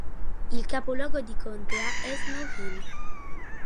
Il capoluogo di contea è Snow Hill.